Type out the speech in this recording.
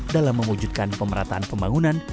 dalam memujudkan pemerataan pembangunan